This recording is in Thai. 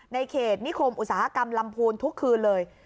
ในเขตนิคมอุตสาหกรรมลำพูนทุกคืนเลย